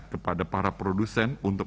kepada para produsen untuk